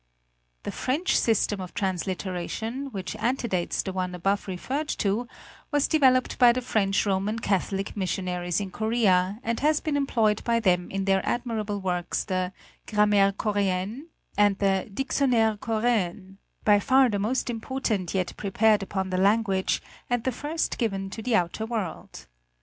The French system of transliteration, which antedates the one above referred to, was developed by the French Roman Catholic Missionaries in Korea, and has been employed by them in their admirable works the "Grammaire Coréenne" and the " Diction naire Coréen," by far the most important yet prepared upon the language, and the first given to the outer world.